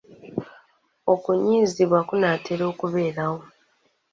Okunyiizibwa kunaatera okubeerawo.